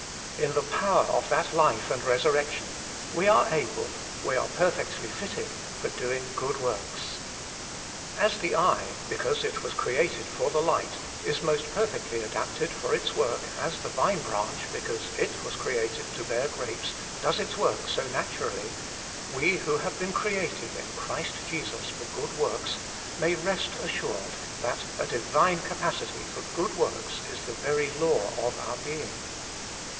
In the power of that Hfe and resurrection, we are able, we are perfectly fitted, for doing good works. As the eye, because it was created for the light, is most perfectly adapted for its work, as the vine branch, because it was created to bear grapes, does its work so naturally, we who have been created in Christ Jesus for good work, may rest assured that a Divine capacity for good works is the very lavv' of our being.